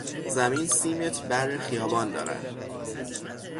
زمین سی متر بر خیابان دارد.